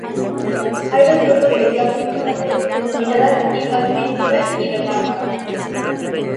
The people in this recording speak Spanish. Hay dos grupos de islas principales, denominadas "Islas Príncipe y de Mármara".